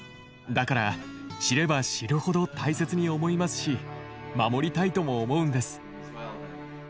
だから知れば知るほど大切に思いますし守りたいとも思うんです。